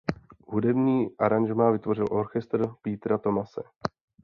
Hudební aranžmá vytvořil orchestr Petera Thomase.